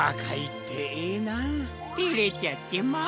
てれちゃってまあ。